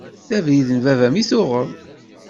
D abrid n baba-m i tuɣeḍ.